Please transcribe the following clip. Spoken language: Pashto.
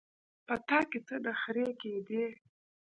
په تا کې څه نخرې کېدې.